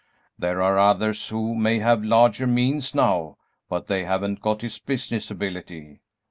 There are others who may have larger means now, but they haven't got his business ability.